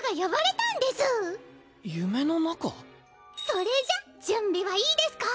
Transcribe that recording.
それじゃ準備はいいですか？